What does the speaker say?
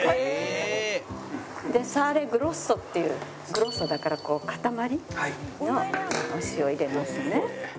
でサーレ・グロッソっていうグロッソだからこう塊のお塩を入れますね。